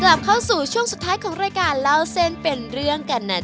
กลับเข้าสู่ช่วงสุดท้ายของรายการเล่าเส้นเป็นเรื่องกันนะ